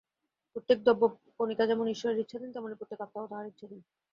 প্রত্যেক দ্রব্যকণিকা যেমন ঈশ্বরের ইচ্ছাধীন, তেমনি প্রত্যেক আত্মাও তাঁহার ইচ্ছাধীন।